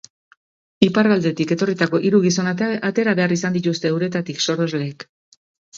Iparraldetik etorritako hiru gizon atera behar izan dituzte uretatik sorosleek.